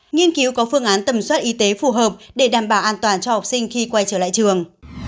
nghiên cứu có phương án tầm soát y tế phù hợp để đảm bảo an toàn cho học sinh khi quay trở lại trường